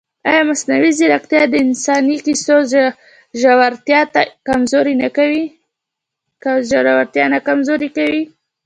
ایا مصنوعي ځیرکتیا د انساني کیسو ژورتیا نه کمزورې کوي؟